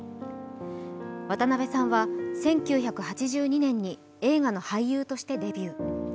渡辺さんは１９８２年に映画の俳優としてデビュー。